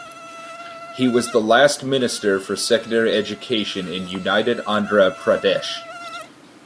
He was the last Minister for Secondary Education for united Andhra Pradesh.